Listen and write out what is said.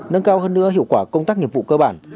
nâng cao hơn nữa hiệu quả công tác nghiệp vụ cơ bản